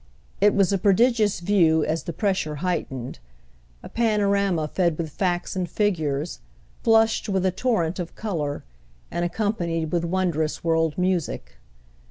It was a prodigious view as the pressure heightened, a panorama fed with facts and figures, flushed with a torrent of colour and accompanied with wondrous world music.